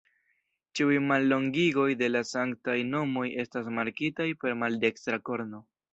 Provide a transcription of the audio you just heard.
Ĉiuj mallongigoj de la Sanktaj Nomoj estas markitaj per maldekstra korno.